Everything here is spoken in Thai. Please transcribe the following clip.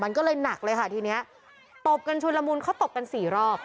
มันก็เลยหนักเลยค่ะทีนี้ตบกันชุนละมุนเขาตบกันสี่รอบ